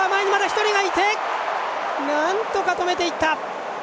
なんとか止めていった。